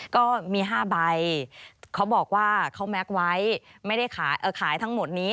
ก็มี๕ใบเขาบอกว่าเขาแม็กซ์ไว้ไม่ได้ขายทั้งหมดนี้